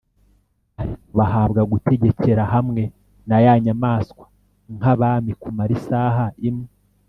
ariko bahabwa gutegekera hamwe na ya nyamaswa nk’abami kumara isaha imwe.